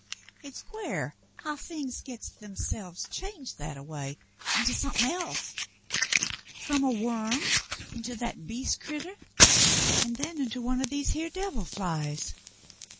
Hit's quare how things gits therselves changed that a way into somethin' else — from a w^orm into that beast crittah an' then into one o' these here devil flies.